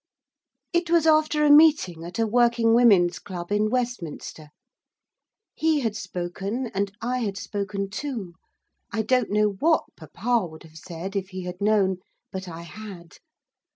It was after a meeting at a Working Women's Club in Westminster. He had spoken, and I had spoken too. I don't know what papa would have said, if he had known, but I had.